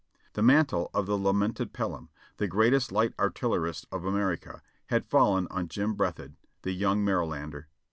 The mantle of the lamented Pelham, the greatest light artiller ist of America, had fallen on Jim Breathed, the young Marylander.